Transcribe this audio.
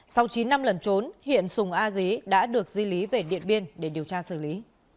sau chín năm lần trốn hiện sùng a dí đã được di lý về điện biên để điều tra xử lý